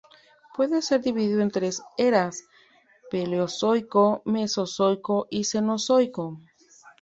Puede ser dividido en tres eras: Paleozoico, Mesozoico y Cenozoico.